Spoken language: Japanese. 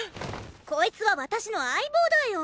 こいつは私の相棒だよ。